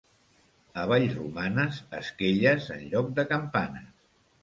A Vallromanes, esquelles en lloc de campanes.